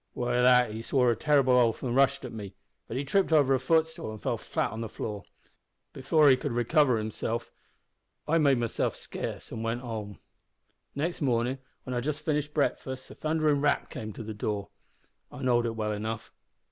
"Wi' that he swore a terrible oath an' rushed at me, but he tripped over a footstool and fell flat on the floor. Before he could recover himself I made myself scarce an' went home. "Next mornin', when I'd just finished breakfast a thunderin' rap came to the door. I know'd it well enough.